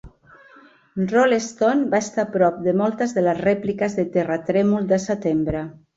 Rolleston va estar a prop de moltes de les rèpliques de terratrèmol de setembre.